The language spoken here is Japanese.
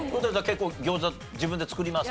結構ギョーザ自分で作ります？